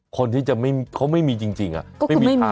คนที่จะแม่มีเขาไม่มีจริงอะ